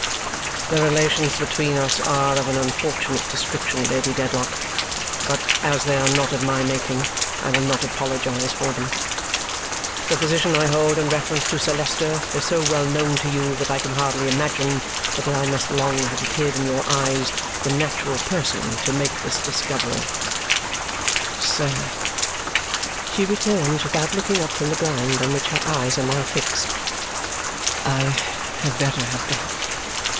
"The relations between us are of an unfortunate description, Lady Dedlock; but as they are not of my making, I will not apologize for them. The position I hold in reference to Sir Leicester is so well known to you that I can hardly imagine but that I must long have appeared in your eyes the natural person to make this discovery." "Sir," she returns without looking up from the ground on which her eyes are now fixed, "I had better have gone.